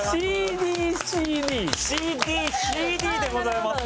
ＣＤＣＤでございます。